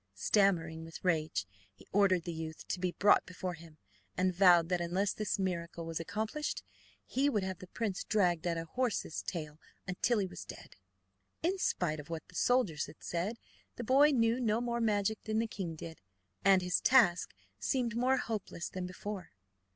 Stammering with rage, he ordered the youth to be brought before him, and vowed that unless this miracle was accomplished he would have the prince dragged at a horse's tail until he was dead. In spite of what the soldiers had said, the boy knew no more magic than the king did, and his task seemed more hopeless than before.